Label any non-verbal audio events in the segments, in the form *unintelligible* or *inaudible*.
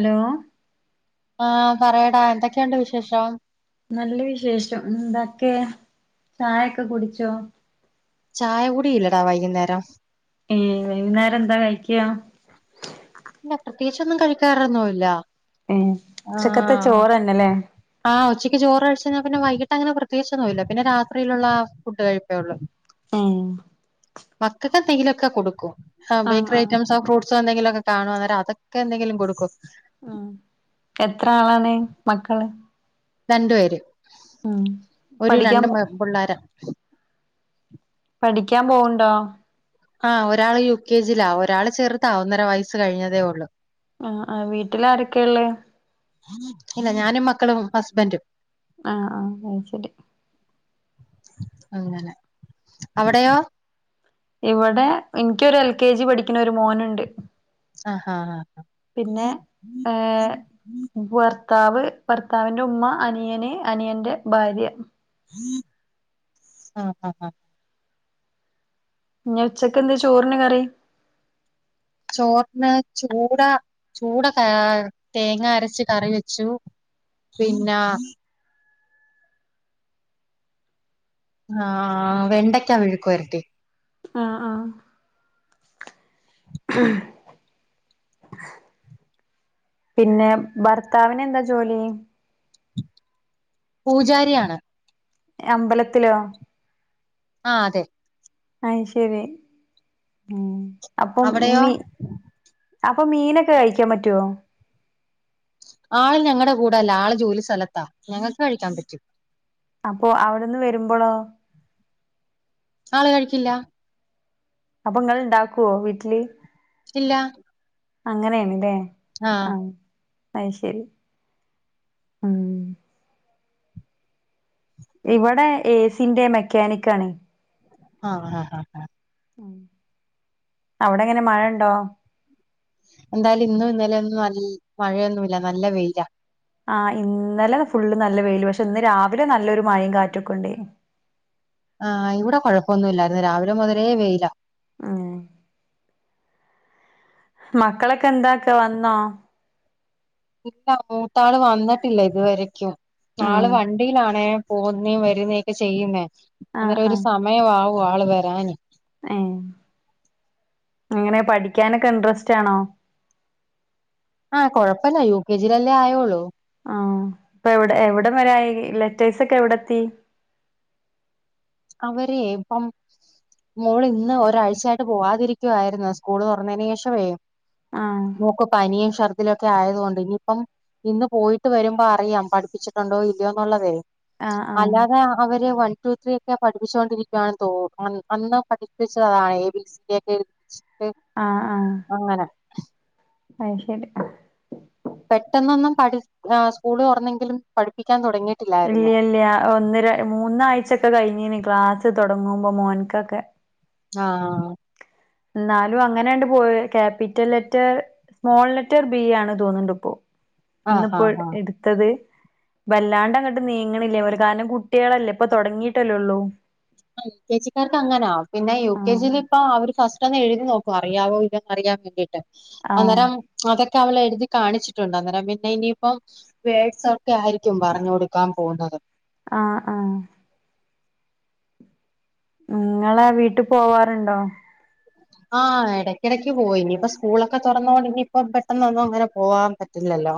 Hello- ആഹ് പറയെടാ എന്തൊക്കെണ്ട് വിശേഷോ? നല്ല വിശേഷം എന്തൊക്കെ ചായൊക്കെ കുടിച്ചോ? ചായ കുടി ഇല്ലടാ വൈകുന്നേരം. ഏഹ് വൈകുന്നേരം എന്താ കഴിക്കാ? ഇല്ല പ്രത്യേകിച്ചൊന്നും കഴിക്കാറൊന്നുല്ല ഏ ഉച്ചക്കത്തെ ആഹ് ചോറന്നല്ലേ ആഹ് ആഹ് ഉച്ചക്ക് ചോറ് കഴിച്ചയ്ഞാൽ പിന്ന വൈകിട്ട് അങ്ങന പ്രത്യേകിച്ചൊന്നുല്ല പിന്ന രാത്രിയിലുള്ള ആഹ് ഫുഡ് കഴിപ്പേള്ളൂ ഉം. മക്കക്ക് എതങ്കിലും കൊടുക്കും ആഹ് ബേക്കറി ആഹ് ഐറ്റംസൊ ആ ഫ്രൂസ് സം എന്തങ്കിലുംക്കെ കാണു അനേരം അതൊക്കെ എന്തെിലും കൊടുക്കും.. ഉം എത്ര ആളാണ് മക്കള്? രണ്ടു പേര് ഉം ഒരു പഠിക്കാൻ രണ്ട് പിള്ളോര പഠിക്കാൻ പോവ്ണ്ടോ? ആഹ് ഒരാള് യുകെ ജിലാ ഒരാള് ചെറുതാ ഒന്നര വയസ്സ് കഴിഞ്ഞതേ ഉള്ളു.. ആഹ് ആഹ് വീട്ടിൽ ആരൊക്കെയ ഉള്ളേ? ഇല്ല ഞാനും മക്കളും ഹസ്ബൻറ്റും.. ആഹ് ആഹ് ആഹ് ശരി.. അങ്ങനെ അവിടെയോ? ഇവിടെ എനിക്കൊരു എൽ കെ ജി പഠിക്കുന്ന ഒരു മോനുണ്ട്.. ആഹ് ആഹ് പിന്നെ ഏ.. *unintelligible* ഭർത്താവ് ഭർത്താവിന്റെ ഉമ്മ അനിയന് അനിയന്റെ ഭാര്യ.. ആഹ് ആഹ് ആഹ്.. ഞ് ഉച്ചക്കെന്ത ചോറിന് കറി? ചോറിന് ചൂട ചൂട തേങ്ങ അരച്ച് കറി വെച്ചു.. പിന്നെ ആഹ് വെണ്ടയ്ക്കാ മെഴ്ക്കു പെര്ട്ടി.. ആഹ് ആഹ്.. പിന്നെ ഭർത്താവിന് എന്താ ജോലി? പൂജാരിയാണ്. അമ്പലത്തിലോ? ആഹ് അതെ.. ആഹ് ശരി ഉം അപ്പൊ അവിടെയോ മീ അപ്പൊ മീനൊക്കെ കഴിക്കാൻ പറ്റൊ? ആള് ഞങ്ങളുടെ കൂടെല്ല ആള് ജോലി സ്ഥലത്താ ഞങ്ങൾക്ക് കഴിക്കാൻ പറ്റും.. അപ്പൊ അവിടെന്ന് വരുമ്പോളോ? ആള് കഴിക്കില്ല.. അപ്പൊ ങ്ങൾ ഉണ്ടാക്കൊ വീട്ടില്? ഇല്ലാ.. അങ്ങനെയാണ് ല്ലേ ആഹ്.. ആഹ് ശരി ഉം.. ഇവിടെ ഏസിന്റെ മെക്കാനിക്ക് ആണ്.. ആഹ് ആഹ് ഹഹ ആഹ്.. ഉം അവിടെ എങ്ങനെ മഴ ഉണ്ടോ. എന്തായാലും ഇന്നും ഇന്നലെന്നും നല് മഴയൊന്നുമില്ല നല്ല വെയില. ആഹ് ഇന്നലെ ഫുള്ള് നല്ല വെയില് പക്ഷെ ഇന്ന് രാവിലെ നല്ലൊരു മഴയും കാറ്റൊക്കെ ഉണ്ടയ്നു ആഹ് ഇവിടെ കുഴപ്പൊന്നുല്ലായിരുന്നു രാവിലെ മുതലേ വെയില. ഉം. മക്കളൊക്കെ എന്താക്ക വന്നോ. ഇല്ല മൂത്ത ആള് വന്നിട്ടില്ല ഇതുവരക്കും ഉം ആള് വണ്ടിയിലാണേ. പോകുന്നെ വരുന്നേ ഒക്കെ ചെയ്യുന്നേ ആഹ് അന്നേരം ഒരു ആഹ് സമയ ആവും ആള് വരാന്. ഏഹ് എങ്ങനെ പഠിക്കാനൊക്കെ ഇൻട്രസ്റ്റ് ആണോ. ആഹ് കൊഴപ്പല്ല യു കെ ജിയിലല്ലേ ആയോള്ളൂ. ആഹ് ഇപ്പൊ എവിടെ എവിടം വരെ ആയി ലെറ്റേഴ്സ് ഒക്കെ എവിടെത്തി. അവരെ ഇപ്പം. മോൾ ഇന്ന് ഒരാഴ്ചയായിട്ട് പോവാതിരിക്കുവായിരുന്നു സ്കൂൾ തുറന്നതിന് ശേഷം വെ ആഹ് മോക്ക് പനിയും ഛർദിലും ഒക്കെ ആയതുകൊണ്ട് ഇനിയിപ്പം. ഇന്ന് പോയിട്ട് വരുമ്പോ അറിയാം പഠിപ്പിച്ചിട്ടുണ്ടോ ഇല്ലയോന്നുള്ളതെ. ആഹ് ആഹ് അല്ലാതെ അവര് വൺ ടു ത്രീ ഓക്കേ പഠിപ്പിച്ചൊണ്ടിരിക്കുകയാണ് തോ അന്ന് പഠിപ്പിച്ചതാണ് എ ബി സി ഒക്കെ എഴ ആഹ് ആഹ് അങ്ങനെ ആഹ് ശരി പെട്ടെന്നൊന്നും പഠി സ്കൂള് തുറന്നെങ്കിലും പഠിപ്പിക്കാൻ തുടങ്ങി ഇല്ല ഇല്ല ഒന്നര മൂന്നാഴ്ചൊക്കെ കഴിഞ്ഞീന് ക്ലാസ്സ് തുടങ്ങുമ്പോ മോൻക്കൊക്കെ ആഹ് എന്നാലും അങ്ങനെയണ്ട് പോയി capital letter small letter B ആണ് തോന്നുന്നുണ്ടിപ്പോ ആ ആ ഇന്നിപ്പോ ആ എ ടുത്തത് വല്ലാണ്ട് അങ്ങട്ട് നീങ്ങണില്ല പോലെ കാരണം കുട്ടികളല്ലേ ഇപ്പൊ തുടങ്ങിയിട്ടല്ലേള്ളൂ ആഹ് എൽ കെ ജിക്കാർക്ക് അങ്ങനാ പിന്നെ യൂ കെ ആഹ് ജിൽ ഇപ്പൊ അവര് ഫസ്റ്റ് ഒന്ന് എഴുതി നോക്കും അറിയാവോ ഇല്ലന്ന് അറിയാൻ വേണ്ടിയിട്ട് ആഹ് അന്നേരം അതൊക്കെ അവള് എഴുതി കാണിച്ചിട്ടുണ്ട് അന്നേരം പിന്നെ ഇനിയിപ്പ വേഡ് ഒക്കെ ആയിരിക്കും പറഞ്ഞ് കൊടുക്കാൻ പോകുന്നത് ആഹ് ആഹ് നിങ്ങളെ വീട്ടിൽ പോവാറുണ്ടോ ആഹ് ഇടയ്ക്കിടയ്ക്ക് പോവും ഇനിയിപ്പ സ്കൂളൊക്കെ തുറന്നോണ്ട് ഇനിയിപ്പൊ പെട്ടെന്ന്ന്നൊന്നും അങ്ങനെ പോകാൻ പറ്റില്ലല്ലോ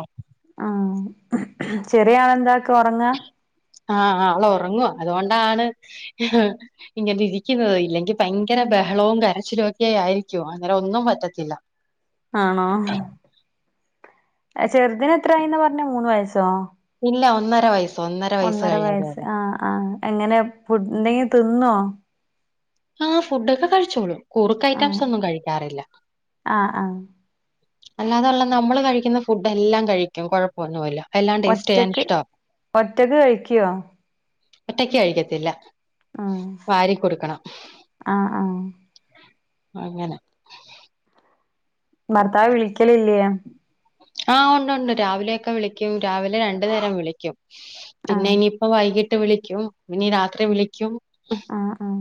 ആഹ് ചെറിയളെന്താക്ക ഉറങ്ങാ ആഹ് അവളെ ഉറങ്ങുവാ അതുകൊണ്ടാണ് ഇങ്ങനെ ഇരിക്കുന്നുന്നത് ഇല്ലെങ്കി ഭയങ്കര ബഹളവും കരച്ചിലും ഒക്കെ ആയിരിക്കും അന്നേരം ഒന്നും പറ്റത്തില്ല ഉ *inaudible* ആണോ ചെറുദിന് എത്രയയിന്ന് പറഞ്ഞ മൂന്ന് വയസോ ഇല്ല ഒന്നര വയസ്സ് ഒന്നര വയസ്സ് ആഹ് ആഹ് എങ്ങനെ എന്തെങ്കി തിന്നോ ആഹ് ഫുഡൊക്കെ കഴിച്ചോളൂം കുറുക്ക് ആഹ് ഐറ്റംസ് ഒന്നും കഴിക്കാറില്ല ആഹ് ആഹ് അല്ലാതെ ഉള്ള നമ്മള് കഴിക്കുന്ന ഫുഡ് എല്ലാം കഴിക്കും കുഴപ്പമൊന്നുമില്ല എല്ലാം ടേസ്റ്റ് ചെയ്യാൻ ഒറ്റക്ക് ഇഷ്ടവാ. ഒറ്റക്ക് കഴിക്കുവോ ഒറ്റയ്ക്ക് കഴിക്കത്തില്ല ആഹ് വാരി കൊടുക്കണം ആഹ് ആഹ് അങ്ങനെ ഭർത്താവ് വിളിക്കലില്ല ആഹ് ഉണ്ട് ഉണ്ട് രാവിലെയൊക്കെ വിളിക്കും രാവിലെ രണ്ട് നേരം വിളിക്കും പിന്നെ ആഹ് ഇനിയിപ്പ വൈകിട്ട് വിളിക്കും ഇനി രാത്രി വിളിക്കും ആഹ് ആഹ്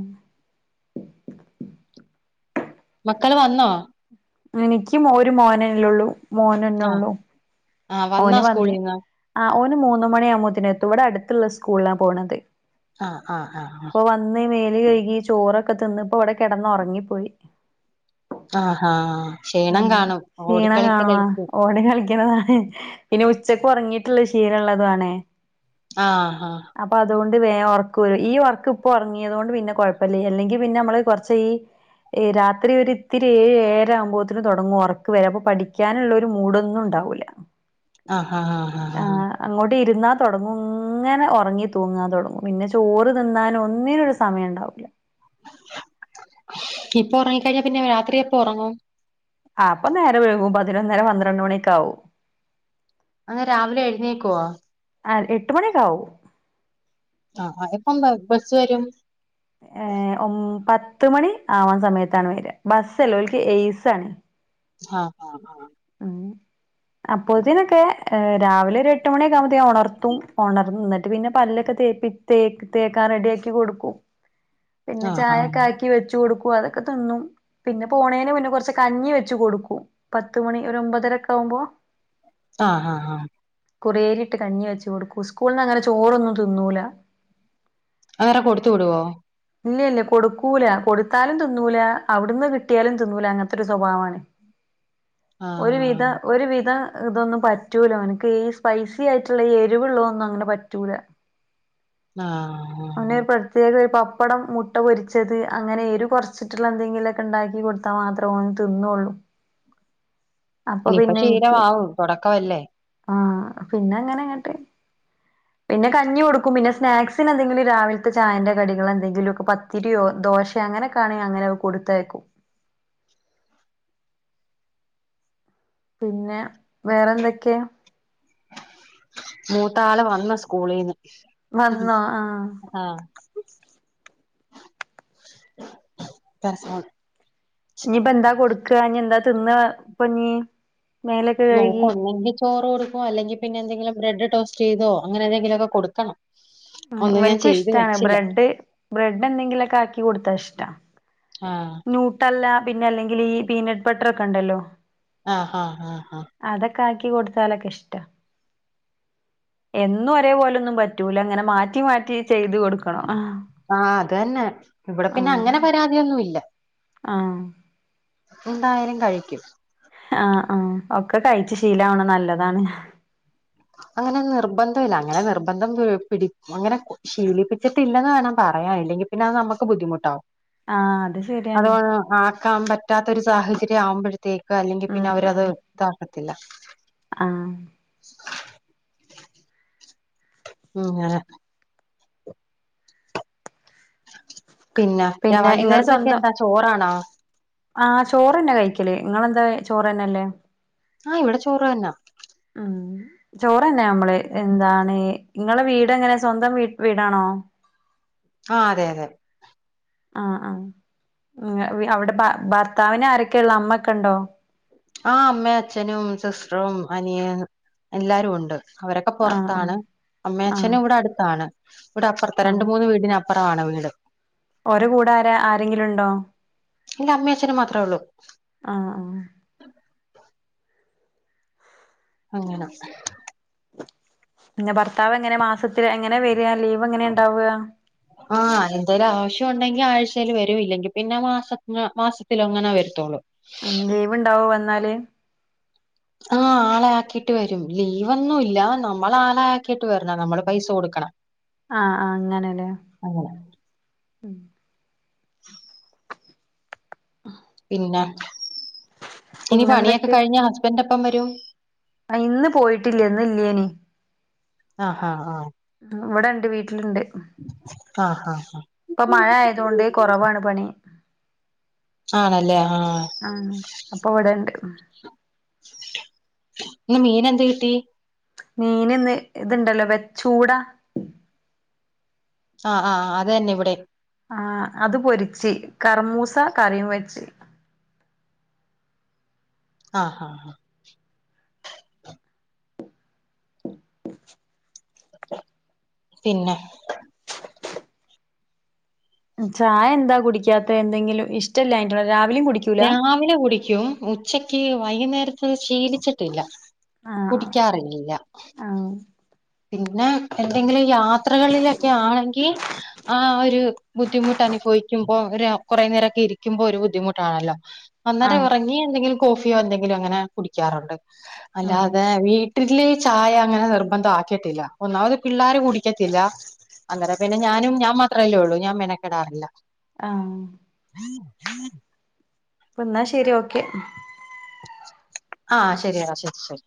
മക്കള് വന്നോ എനിക്കും ഒരു മോനനില ഉള്ളൂ മോനന ആഹ് ഉള്ളൂ. ആഹ് വന്നാ ഓന് വന്നേ സ്കൂളീന്ന്? ആ ഓന് മൂന്ന മണിയാവകുമ്പോത്തിനെത്തും- ഇവിടെ അടുത്തുള്ള സ്കൂളിലാണ്- പോണത്. ആഹാ ആഹാ ആഹാ... അന്ന് മേല് കഴകി ചോറൊക്കെ- തിന്ന് ഇപ്പോ അവിടെ കിടന്ന- ഉറങ്ങിപ്പോയി. ആഹാ ആഹാ... ഉം ക്ഷീണം കാണുവ ഓടി കളിക്കണതാണ്. പിനിെ ഉച്ചക്ക് ഉറങ്ങിയിട്ടുള്ള ശീലം ഉള്ളത ആണേ. ആഹ ആഹ... അപ്പോ അതുകൊണ്ട് വേ ഉറക്ക വരും, ഈ ഉറക്ക് ഇപ്പോ ഉറങ്ങിയത കൊണ്ട് പിന്നെ കുഴപ്പമില്ല. അല്ലെങ്കിൽ പിന്നെ നമ്മള് കുറച്ച് ഈ ഏ രാത്രി ഒരിത്തിരി ഏഴേര, ആകുമ്പോ- തുടങ്ങ ഉറക്ക് വരാ, അപ്പോ പഠിക്കാനുള്ള ഒരു മൂടൊന്നും ഉണ്ടാവൂല്ല. ആഹാ ആഹാ ആഹാ ആഹ... അങ്ങോട്ട് ഇരുന്നാൽ തുടങ്ങും, ഇങ്ങനെ ഉറങ്ങി തൂങ്ങാൻ തുടങ്ങും. പിന്നെ ചോറ് തിന്നാനും ഒന്നിനും ഒരു- സമയം ഉണ്ടാവൂല്ല. ഇപ്പോ ഉറങ്ങിക്കഴിഞ്ഞാ പിന്നെ രാത്രി എപ്പ ഉറങ്ങും? ആ അപ്പോ നേരം വൈകു- പതിനൊന്നര പന്ത്രണ്ട് മണിയോക്കെ ആവു. അങ്ങ രാവിലെ എഴുന്നേക്കുവാ? ആഹാ എട്ട് മണിയൊക്കാവും. ആഹാ ആഹാ എപ്പം ബസ് വരും? ഏ ഒം പത്തു മണി ആവാൻ- സമയത്താണ് വരിക ബസ്സല്ല ഓല്ക്ക് ഏസ് ആണ്. ആഹ് ആഹ് ആഹ്. അങ്ങനെ. അപ്പോ ത്തിനൊക്കെ രാവിലൊരു- എട്ട് മണിയൊക്കെവുമ്പോത്തേക്ക്‌- ഒണർത്തും ഒണർന്നുന്നിട്ട് പിന്നെ- പല്ലൊക്കെ തേപ്പി- തേക്ക് തേക്കാൻ റെഡിയാക്കി കൊടുക്കും. പിന്നെ ആഹ് ആഹ് ചായൊക്കെ ആക്കി- ക്കി വെച്ചു കൊടുക്കൂ, അതൊക്കെ തിന്നും. പിന്നെ പോണേന് മുന്നെ കുറച്ച് കഞ്ഞി വെച്ച് കൊടുക്കും. പത്ത് മണി ഒരൊമ്പതരൊക്കാവുമ്പോ- ആഹ് ആഹ് ആഹ് കുറേരിയിട്ട് കഞ്ഞി വെച്ച് കൊടുക്കു. സ്കൂളിന്നങ്ങനെ ചോറൊന്നും തിന്നൂല. ആരെ കൊടുത്തു വിടുവോ. ഇല്ല ഇല്ല കൊടുക്കൂല കൊടുത്താലും തിന്നൂല, അവിടുന്ന് കിട്ടിയാലും തിന്നൂല. അങ്ങനത്തൊരു സ്വഭാവാണ്. ഒരു വിധ ആഹ് ഒരു വിധ- ഇതൊന്നും പറ്റൂല ഓന്ക്ക് ഈ സ്പൈസി ആയിട്ടുള്ള ഈ എരിവുള്ളതൊന്നും അങ്ങനെ പറ്റൂല. ആഹ *unintelligible* പ്പടം. മുട്ട പൊരിച്ചത് അങ്ങനെ എരു കൊറച്ചിട്ടുള്ള എന്തെങ്കിലുഒക്കെ- ഇണ്ടാക്കി കൊടുത്താ മാത്രേ ഓൻ തിന്നൂള്ളൂ. ഇനിപ്പ ശീലമാവും തുടക്കമല്ലേ? ആഹ് പിന്നെ അങ്ങനെ അങ്ങട്ട്- പിന്നെ കഞ്ഞി കൊടുക്കും, പിന്നെ സ്നാക്സിന് എന്തെങ്കിലും, രാവിലത്തെ ചായന്റെ കടികൾ- എന്തെങ്കിലുവൊക്കെ പത്തിരിയോ, ദോശയങ്ങനെക്കാണെങ്കി, അങ്ങനെ കൊടുത്തയക്കും. പിന്നെ വേറെന്തെക്കെയാ? മൂത്താള് വന്ന് സ്കൂളീന്ന്. വന്നോ? ആഹ്... ആഹ്. *inaudible* ഇനിപ്പ എന്താ കൊടുക്ക? ഇനി എന്താ തിന്ന ഇപ്പൊന്നീ? നോക്കൊന്നെങ്കി ചോ- റ് കൊടുക്കു. അല്ലെങ്കി പിന്നെ- എന്തെങ്കിലും ബ്രെഡ് ടോസ്റ്റ്- ചെയ്തോ അങ്ങനെ എന്തെങ്കിലുവൊക്കെ കൊടുക്കണം. ആ ഒന്നും ഞാൻ ഇവൻക്കും ചെയ്ത് ഇഷ്ടാണ്. വെച്ചില്ല ബ്രെഡ്, ബ്രെഡ് എന്തെങ്കിലുവൊക്കെ ആക്കി കൊടുത്താ ഇഷ്ട. ആഹ് നൂട്ടല്ലാ പിന്നെ അല്ലെങ്കിലീ പീനട്ട് ബട്ടറൊക്കെണ്ടല്ലോ ആഹ് ഹാ ഹാ ഹാ അതൊക്കെ ആക്കി കൊട്ത്താലൊക്കെ ഇഷ്ടാ എന്നും ഒരേപോലൊന്നും പറ്റൂല ഇങ്ങെനെ മാറ്റി മാറ്റി ചെയ്ത് കൊട് ആഹ് അത് തന്നെ ഇവിടെ പിന്നെ ആഹ് അങ്ങനെ പരാതിയൊന്നും ഇല്ല ആഹ് എന്തായാലും കഴിക്കും ആഹ ആഹഒക്കെ കഴിച്ച് ശീലാ വണത് നല്ലതാണ്. അങ്ങെനെ നിർബന്ധയില്ല അങ്ങെനെ നിർബന്ധം പി പിടി അങ്ങെനെ ശീലിപ്പി ച്ചിട്ടില്ലെന്ന് വേണം പറയാൻ ഇല്ലെങ്കി പിന്നെ അത് നമ്മക്ക് ബുദ്ധിമുട്ടാവും ആഹ് അത് ശെര്യാണ് ആക്കാം പറ്റാത്തൊരു സാഹചര്യം ആവുമ്പഴത്തേക്ക് അല്ലെങ്കി ഉം പിന്നെ അവരത് ഉം താക്കത്തില്ല ആഹ് ഉം ങ്ങെനെ പിന്നെ രാ ഇങ്ങള് സ്വന്തം വൈകുന്നേര്ത്തേക്കെന്താ ചോറാണോ ആഹ് ചോറെന്നെ കഴിക്കല് ഇങ്ങെളെന്താ ചോറെന്നെല്ലേ ആഹ് ഇവിടെ ചോറ് തന്നാ ആഹ് ചോറ്ന്നെ അമ്മള് എന്താണ് ഇങ്ങെളെ വീട് എങ്ങെനെ സ്വന്തം വീ വീടാണോ *inaudible* ആഹ് അതെ അതെ ആഹ് ആഹ് ഉം വി അവിടെ ഭ ഭർത്താവിനാരൊക്കെെള്ള അമ്മക്കെണ്ടോ ആഹ് അമ്മേം അച്ഛനും സിസ്റ്ററും അനിയൻ എല്ലാരു ഉണ്ട് അവരൊക്കെ ആഹ് ആഹ് പൊർത്താണ് അമ്മേം ആഹ് അച്ഛനും ഇവിടെ അട്ത്താണ് ഇവ്ടെ അപ്പർത്താ ആഹ് രണ്ട് മൂന്ന് വീടിന പ്പറവാണ് വീട് ഓരെ കൂടാരാ ആരെങ്കിലുണ്ടോ ഇല്ല അമ്മേം അച്ഛനും മാത്രേ ഒള്ളൂ ആഹ് ആഹ് അങ്ങനാെക്കെ പിന്നെ ഭർത്താവെങ്ങെനെ മാസത്തില് എങ്ങെനെ വെരാ ലീവെങ്ങെനെ ണ്ടാവാ ആഹ് എന്തേലും ആവശ്യം ഒണ്ടെങ്കി ആഴ്ച്ചേല് വരും ഇല്ലെങ്കി പിന്നെ മാസ മാസത്തിലൊങ്ങനെ വരത്തൊള്ളൂ അന്ന് ലീവ്ണ്ടാവോ വന്നാല് ആഹ് ആളെ ആക്കീട്ട് വരും ലീവൊന്നു ഇല്ല നമ്മള് ആളെ ആക്കീട്ട് വരണം നമ്മള് പൈസ കൊട്ക്കണം ആഹ് അങ്ങനെലേ *unintelligible* പിന്നെ ഇനി പണിയൊക്കെ പിന്നെന്തൊക്കെ കഴിഞ്ഞ് ഹസ്ബന്റെപ്പം വരും ആഹ് ഇന്ന് പോയിട്ടില്ല്യാ ഇന്ന് ഇല്ല്യേനി ആഹ് ആഹ് ആഹ് ഉം ഇവ്ടെണ്ട് വീട്ടില്ണ്ട് ആഹ് ആഹ് ഹാ ഇപ്പൊ മഴ ആയതോണ്ട് കൊറവാണ് പണി ആണല്ലേ ആഹ് ആഹ് അപ്പൊ ഇവെടെണ്ട് ഇന്ന് മീനെന്തേ കിട്ടി മീന് ഇന്ന് ഇത്ണ്ടല്ലോ വെ ചൂടാ ആഹ് ആഹ് അത് തന്നെ ഇവിടേം ആഹ് അത് പൊരിച്ച് കർമൂസ കറിയും വെച്ച് ആഹ് ആഹ് ആഹ് പിന്നെ ചായെന്താ കുടിക്കാത്തെ എന്തെങ്കിലും ഇഷ്ടല്ലാഞ്ഞ്ട്ടാണോ രാവിലിം കുടി രാവിലെ കുടിക്കും ഉച്ചക്ക് വൈകുന്നേരത്ത് ശീലിച്ചിട്ടില്ല. ആഹ് കുടിക്കാറില്ല. ആഹ് പിന്നെ എന്തെങ്കിലും യാ ത്രകളിലൊക്കെ ആണെങ്കി ആ ഒര് ബുദ്ധിമുട്ട് അനുഫവിക്കും പ്പൊ ഒര് കൊറേ നേരൊക്കെ ഇരിക്കുമ്പോ ഒരു ബുദ്ധിമുട്ടാണല്ലോ അന്നേരം ആഹ് ഇറങ്ങി എന്തെങ്കിലും കോഫിയോ എന്തെങ്കിലു അങ്ങനെ കുടിക്കാറുണ്ട് അല്ലാതെ വീ വീട്ടില് ചായ അങ്ങനെ നിർബന്ധം ആക്കിട്ടില്ല ഒന്നാമത് പിള്ളാര് കുടിക്കത്തില്ല അങ്ങനെ പിന്നെ ഞാനും ഞാൻ മാത്രല്ലേ ഒള്ളൂ ഞാൻ മെനക്കെടാറില്ല ആഹ് *unintelligible* എന്നാ ശെരി ഓക്കെ ആഹ് ശരിയട ശെരി ശെരി.